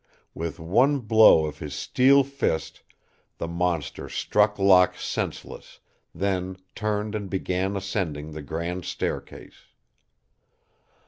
With one blow of his steel fist the monster struck Locke senseless, then turned and began ascending the grand staircase.